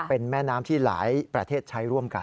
เป็นแม่น้ำที่หลายประเทศใช้ร่วมกัน